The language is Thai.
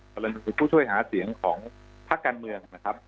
ผู้ช่วยหาเสียงของพระการเมืองนะครับ